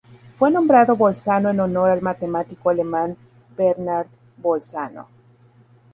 Fue nombrado Bolzano en honor al matemático alemán Bernard Bolzano.